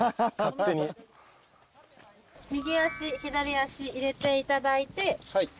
右足左足入れていただいて。